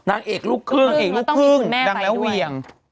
นางเอกลูกครึ่งเอกลูกครึ่งดังแล้วเวียง